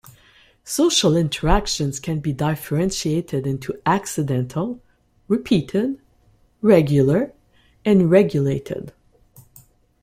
Social interactions can be differentiated into accidental, repeated, regular, and regulated.